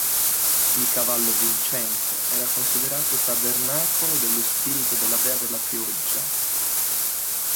Il cavallo vincente era considerato tabernacolo dello spirito della dea della pioggia.